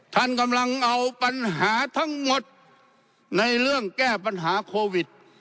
ท่านกำลังเอาปัญหาทั้งหมดในเรื่องแก้ปัญหาโควิด